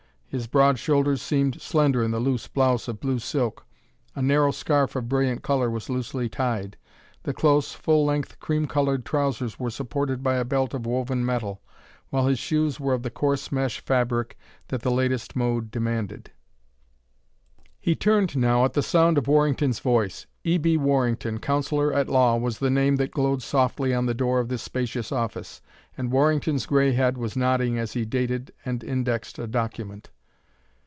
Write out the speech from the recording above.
His broad shoulders seemed slender in the loose blouse of blue silk; a narrow scarf of brilliant color was loosely tied; the close, full length cream colored trousers were supported by a belt of woven metal, while his shoes were of the coarse mesh fabric that the latest mode demanded. He turned now at the sound of Warrington's voice. E. B. Warrington, Counsellor at Law, was the name that glowed softly on the door of this spacious office, and Warrington's gray head was nodding as he dated and indexed a document.